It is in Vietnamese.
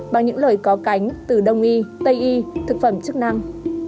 bằng những lời có cánh từ đông y tây y thực phẩm chức năng